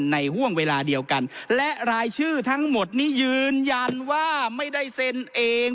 ห่วงเวลาเดียวกันและรายชื่อทั้งหมดนี้ยืนยันว่าไม่ได้เซ็นเอง